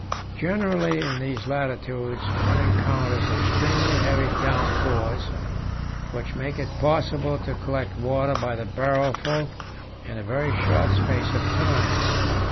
Generally in these latitudes one encounters extremely heavy downpours, which make it possible to collect water by the barrelful in a very short space of time.